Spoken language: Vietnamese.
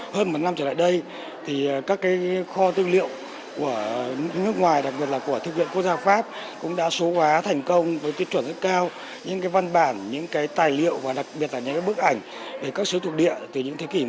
hơn một năm trở lại đây thì các cái kho tư liệu của nước ngoài đặc biệt là của thư viện quốc gia pháp cũng đã số hóa thành công với tiêu chuẩn rất cao những văn bản những cái tài liệu và đặc biệt là những bức ảnh về các số thuộc địa từ những thế kỷ một mươi